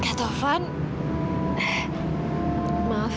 aku mau berbohong sama kamu